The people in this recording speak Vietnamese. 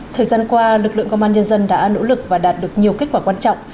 thời gian qua lực lượng công an nhân dân đã nỗ lực và đạt được nhiều kết quả quan trọng